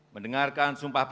keuntungan dan keadilan